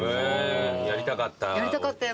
やりたかった。